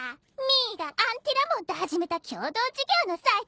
ミーがアンティラモンと始めた共同事業のサイトさ。